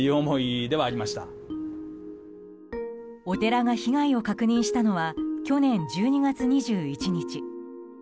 お寺が被害を確認したのは去年１２月２１日。